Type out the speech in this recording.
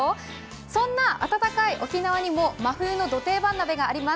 そんな暖かい沖縄にも真冬のド定番鍋があります。